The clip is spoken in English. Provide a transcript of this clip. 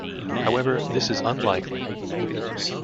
However this is unlikely.